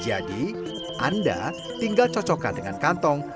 jadi anda tinggal cocokkan dengan kantong